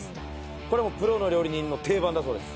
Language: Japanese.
これもプロの料理人の定番だそうです。